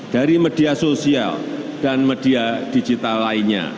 dari media sosial dan media digital lainnya